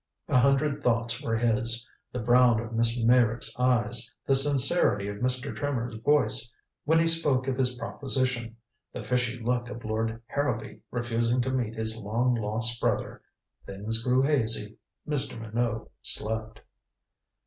A hundred thoughts were his: the brown of Miss Meyrick's eyes, the sincerity of Mr. Trimmer's voice when he spoke of his proposition, the fishy look of Lord Harrowby refusing to meet his long lost brother. Things grew hazy. Mr. Minot slept.